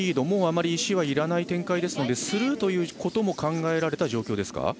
もう、あまり石はいらない展開なのでスルーということも考えられた状況ですか？